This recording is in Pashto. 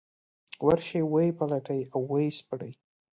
ورشي ویې پلټي او ويې سپړي.